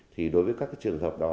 thì đối với các trường hợp đó